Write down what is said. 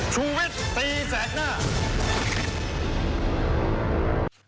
ชูวิทย์ตีแสกหน้า